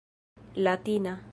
latina